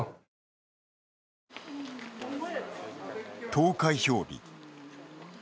投開票日。